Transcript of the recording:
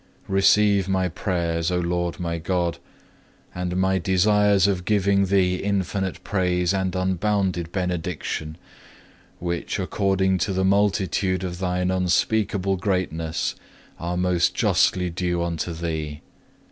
4. Receive my prayers, O Lord my God, and my desires of giving Thee infinite praise and unbounded benediction, which, according to the multitude of Thine unspeakable greatness, are most justly due unto Thee.